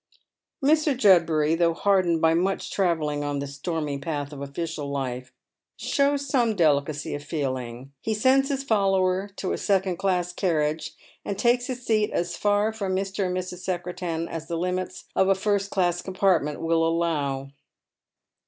Mr. Judbury, though hardened by much travelling on the etonny path of ofiicial life, shows some delicacy of feeling. He uends his follower to a second class carriage, and takes his seat KB far from Mx. and Mrs. Secretan as the limits of a first class compartment will allow.